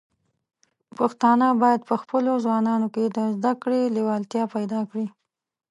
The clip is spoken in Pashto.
پښتانه بايد په خپلو ځوانانو کې د زده کړې لیوالتیا پيدا کړي.